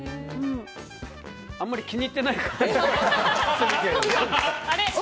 あんまり気に入っていない感じ？